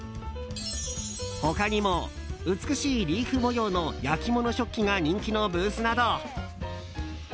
他にも、美しいリーフ模様の焼き物食器が人気のブースなど。